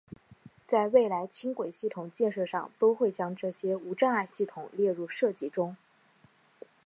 在未来轻轨系统建设上都会将这些无障碍系统列入设计中。